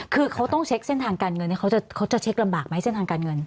คือเขาต้องเช็คเส้นทางการเงินเขาจะเช็คลำบากไหมเส้นทางการเงิน